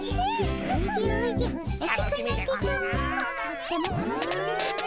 とっても楽しみですね。